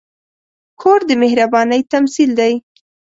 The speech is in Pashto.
کور د مهربانۍ تمثیل دی.